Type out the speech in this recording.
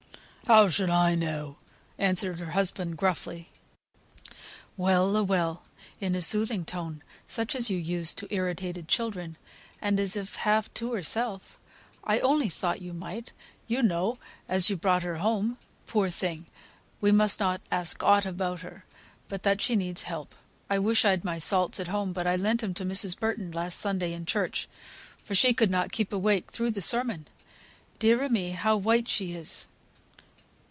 "How should I know?" answered her husband gruffly. "Well a well!" (in a soothing tone, such as you use to irritated children), and as if half to herself, "I only thought you might, you know, as you brought her home. Poor thing! we must not ask aught about her, but that she needs help. I wish I'd my salts at home, but I lent 'em to Mrs. Burton, last Sunday in church, for she could not keep awake through the sermon. Dear a me, how white she is!"